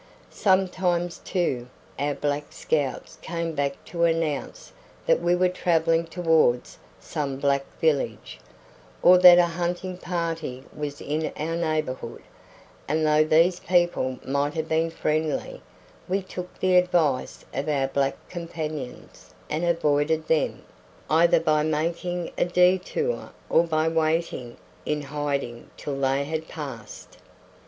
Sometimes, too, our black scouts came back to announce that we were travelling towards some black village, or that a hunting party was in our neighbourhood, and though these people might have been friendly, we took the advice of our black companions and avoided them, either by making a detour or by waiting in hiding till they had passed.